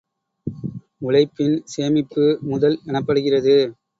உழைப்பின் சேமிப்பு முதல் எனப்படுகிறது.